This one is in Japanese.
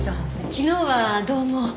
昨日はどうも。